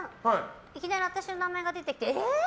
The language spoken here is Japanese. いきなり私の名前が出てきてえー？